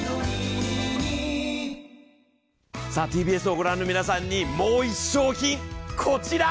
ＴＢＳを御覧の皆様にもう１商品、こちら。